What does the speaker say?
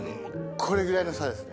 これぐらいの差ですね。